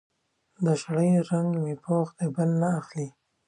د شړۍ رنګ مې پوخ دی؛ بل نه اخلي.